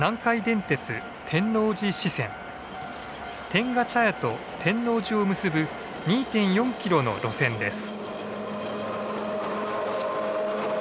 天下茶屋と天王寺を結ぶ２．４キロの路線です。